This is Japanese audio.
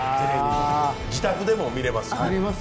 自宅でも見れます。